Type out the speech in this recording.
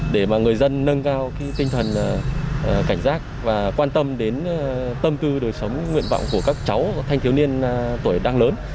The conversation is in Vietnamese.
để mà người dân nâng cao tinh thần cảnh giác và quan tâm đến tâm tư đời sống nguyện vọng của các cháu thanh thiếu niên tuổi đang lớn